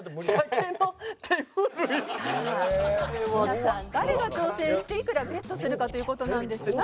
皆さん誰が挑戦していくらベットするかという事なんですが。